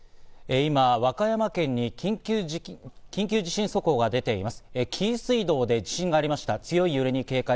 今、和歌山県に緊急地震速報が出ています。